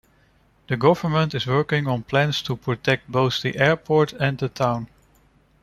The government is working on plans to protect both the airport and the town.